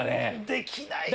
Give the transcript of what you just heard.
できない。